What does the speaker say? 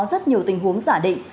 rất nhiều tình huống giả định